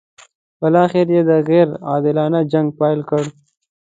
بالاخره یې دا غیر عادلانه جنګ پیل کړ.